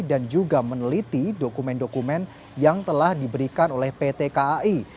juga meneliti dokumen dokumen yang telah diberikan oleh pt kai